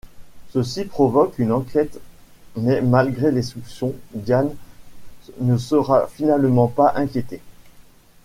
Ceci provoque une enquête, mais malgré les soupçons, Diane ne sera finalement pas inquiétée.